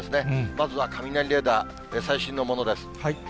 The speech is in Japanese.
まずは雷レーダー、最新のものです。